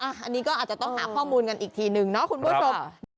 อันนี้ก็อาจจะต้องหาข้อมูลกันอีกทีหนึ่งเนาะคุณผู้ชม